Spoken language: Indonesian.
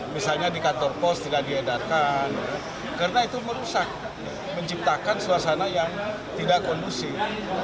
misalnya di kantor pos tidak diedarkan karena itu merusak menciptakan suasana yang tidak kondusif